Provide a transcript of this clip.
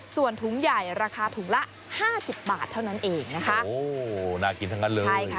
ส่วนถุงใหญ่ราคาถุงละห้าสิบบาทเท่านั้นเองนะคะโอ้น่ากินทั้งนั้นเลยใช่ค่ะ